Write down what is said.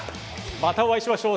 またお会いしましょう。